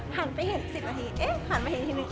ผ่านไปเห็น๑๐นาทีเอ๊ะผ่านไปเห็นทีนึง